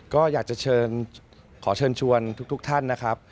ก็อยากจะเชิญขอเชิญชวนทุกท่านนะครับ